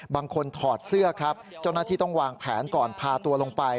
ถอดเสื้อครับเจ้าหน้าที่ต้องวางแผนก่อนพาตัวลงไป